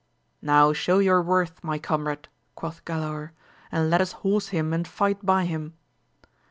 Now show your worth, my comrade, quoth Galaor, and let us horse him and fight by him.